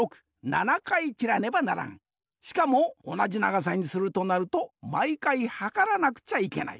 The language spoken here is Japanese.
しかもおなじながさにするとなるとまいかいはからなくちゃいけない。